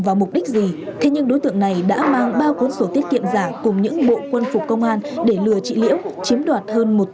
chỉ đến khi thay đổi đối tượng này đã mang ba cuốn sổ tiết kiệm giả cùng những bộ quân phục công an để lừa trị liễu